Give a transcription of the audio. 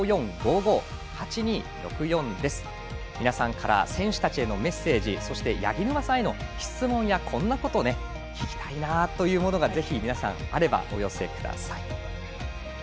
皆さんから選手たちへのメッセージそして八木沼さんへの質問やこんなことを聞きたいなということがぜひ皆さんあれば、お寄せください。